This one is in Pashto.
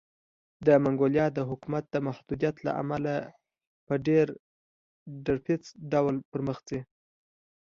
د منګولیا د حکومت د محدودیت له امله په ډېرپڅ ډول پرمخ ځي.